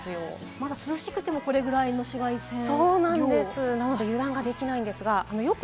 まだ涼しくてもこれぐらい紫外線が。